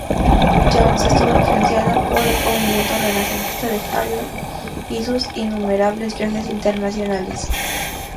Jones estuvo influenciada por el movimiento renacentista de Harlem y sus innumerables viajes internacionales.